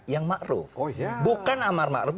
yang ma'ruf bukan amar ma'ruf